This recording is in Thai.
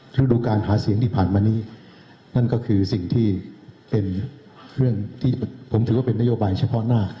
ฤดูการหาเสียงที่ผ่านมานี้นั่นก็คือสิ่งที่เป็นเรื่องที่ผมถือว่าเป็นนโยบายเฉพาะหน้า